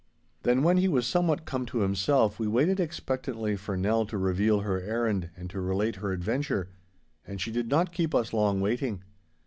Then when he was somewhat come to himself, we waited expectantly for Nell to reveal her errand and to relate her adventure, and she did not keep us long waiting.